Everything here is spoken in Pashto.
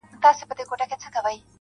د ښكلا ميري د ښكلا پر كلي شــپه تېروم,